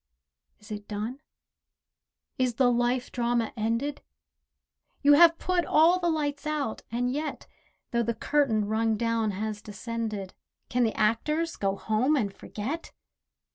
Is it done? is the life drama ended? You have put all the lights out, and yet, Though the curtain, rung down, has descended, Can the actors go home and forget?